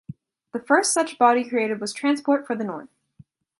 The first such body created was Transport for the North.